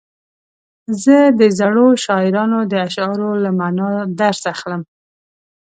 زه د زړو شاعرانو د اشعارو له معنا درس اخلم.